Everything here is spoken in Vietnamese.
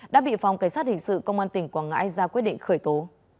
đã bị phòng cảnh sát hình sự công an tỉnh quảng ngãi ra quyết định khởi tố